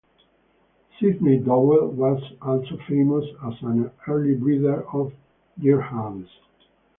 Sydney Dobell was also famous as an early breeder of deerhounds.